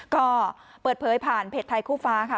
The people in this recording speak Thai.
ก็เปิดเผยผ่านเพจไทยคู่ฟ้าค่ะ